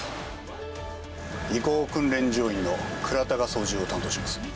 移行訓練乗員の倉田が操縦を担当します。